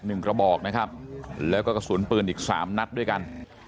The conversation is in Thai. กระบอกนะครับแล้วก็กระสุนปืนอีกสามนัดด้วยกัน